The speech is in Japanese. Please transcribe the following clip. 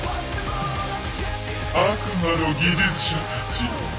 悪魔の技術者たちよ。